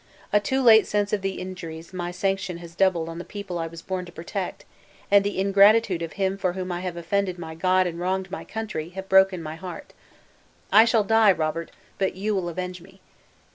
A too late sense of the injuries my sanction has doubled on the people I was born to protect, and the ingratitude of him for whom I have offended my God and wronged my country, have broken my heart. I shall die, Robert, but you will avenge me!"